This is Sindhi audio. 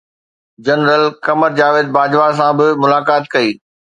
جنرل قمر جاويد باجوا سان به ملاقات ڪئي